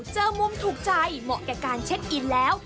เจอมุมถูกใจเหมาะแก่การเช็คอินแล้ว